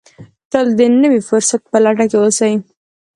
تل د نوي فرصت په لټه کې اوسئ.